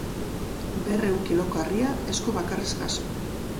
Berrehun kiloko harria esku bakarrez jaso.